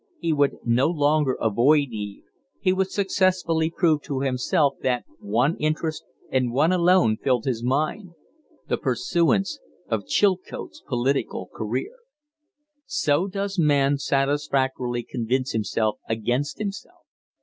He would no longer avoid Eve; he would successfully prove to himself that one interest and one alone filled his mind the pursuance of Chilcote's political career. So does man satisfactorily convince himself against himself.